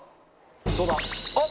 どうだ？